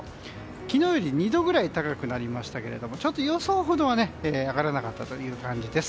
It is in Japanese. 昨日より２度くらい高くなりましたけれども予想ほどは上がらなかったという感じです。